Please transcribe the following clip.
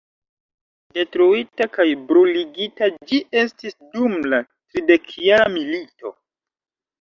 Detruita kaj bruligita ĝi estis dum la tridekjara milito.